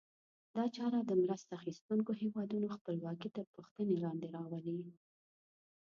دا چاره د مرسته اخیستونکو هېوادونو خپلواکي تر پوښتنې لاندې راولي.